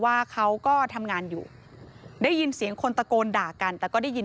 ว่าเขาก็ทำงานในรถเบ้นแล้วก็ไม่เชื่อมั่นใครทั้งนั้นนะครับ